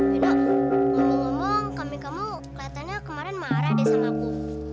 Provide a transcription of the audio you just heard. beno ngomong ngomong kami kamu kelihatannya kemarin marah deh sama aku